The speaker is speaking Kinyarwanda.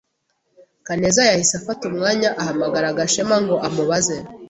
Kaneza yahise afata umwanya ahamagara Gashema ngo amubaze.